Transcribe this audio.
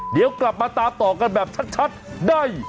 เดี๋ยวกลับมาตามต่อกันแบบชัดได้